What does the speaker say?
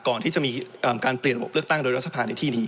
ก่อนที่จะมีการเปลี่ยนระบบเลือกตั้งโดยรัฐสภาในที่ดี